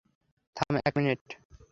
থাম এক মিনিট!